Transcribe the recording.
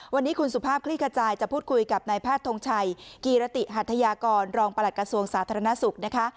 วันนี้คุณสุภาพคลี่ขจายจะพูดคุยกับนายแพทย์ทงชัยกีรติหัทยากรรองประหลักกระทรวงสาธารณสุขนะคะ